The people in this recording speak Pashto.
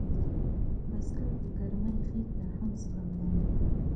بزګر د ګرمۍ غېږ ته هم زغم لري